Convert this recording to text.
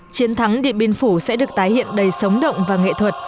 chiến thắng điện biên phủ sẽ được tái hiện đầy sống động và nghệ thuật